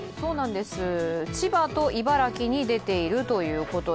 千葉と茨城に出ているということで。